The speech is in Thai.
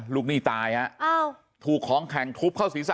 ลูกหนี้ตายถูกครองแข่งทุบเข้าศีรษะ